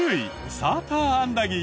サーターアンダギー。